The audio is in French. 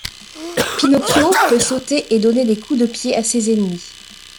Pinocchio peut sauter et donner des coups de pied à ses ennemis.